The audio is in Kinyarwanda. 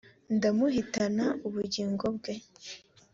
ndamuhitana ubugingo bwe